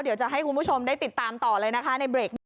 เดี๋ยวจะให้คุณผู้ชมได้ติดตามต่อเลยนะคะในเบรกนี้